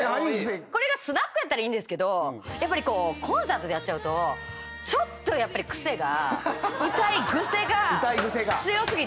これがスナックやったらいいんですがやっぱりコンサートでやっちゃうとちょっとやっぱりクセが。